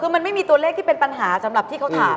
คือมันไม่มีตัวเลขที่เป็นปัญหาสำหรับที่เขาถาม